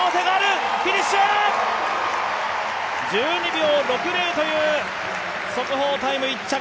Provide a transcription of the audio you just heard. １２秒６０という速報タイム１着。